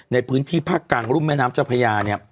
ในพื้นที่ภาคกลางรุ่มแม่น้ำเจ้าพญา